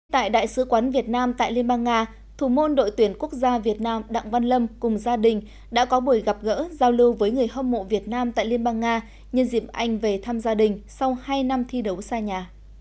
tại đại sứ quán việt nam tại liên bang nga thủ môn đội tuyển quốc gia việt nam đặng văn lâm cùng gia đình đã có buổi gặp gỡ giao lưu với người hâm mộ việt nam tại liên bang nga nhân dịp anh về thăm gia đình sau hai năm thi đấu xa nhà